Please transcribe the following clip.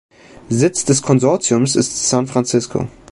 Sitz des Konsortiums ist San Francisco.